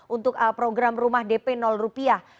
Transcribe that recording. untuk program rumah dp rupiah